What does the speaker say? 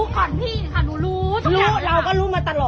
ก่อนผู้เลยว่ามันไป